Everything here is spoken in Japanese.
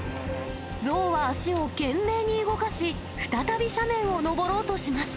象は足を懸命に動かし、再び斜面を登ろうとします。